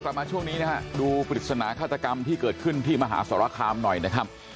มาช่วงนี้นะฮะดูปริศนาฆาตกรรมที่เกิดขึ้นที่มหาสรคามหน่อยนะครับ